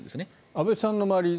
安部さんの周り